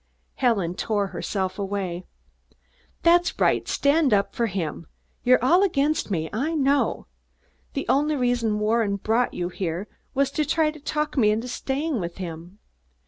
Helen tore herself away. "That's right, stand up for him! You're all against me, I know. The only reason Warren brought you here, was to try to talk me into staying with him.